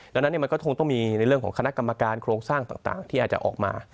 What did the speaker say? ดังนั้นมันก็คงต้องมีในเรื่องของคณะกรรมการโครงสร้างต่างที่อาจจะออกมา